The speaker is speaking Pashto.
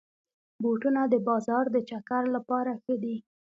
بوټونه د بازار د چکر لپاره ښه دي.